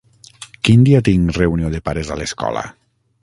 Quin dia tinc reunió de pares a l'escola?